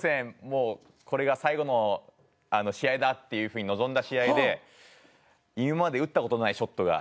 もうこれが最後の試合だっていうふうに臨んだ試合で今まで打った事のないショットが。